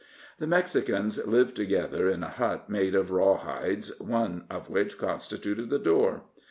The Mexicans lived together, in a hut made of raw hides, one of which constituted the door.